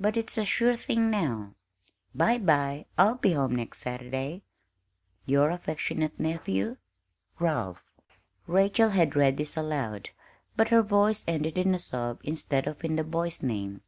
But it's a sure thing now. Bye bye; I'll be home next Saturday. Your aff. nephew, Ralph. Rachel had read this aloud, but her voice ended in a sob instead of in the boy's name.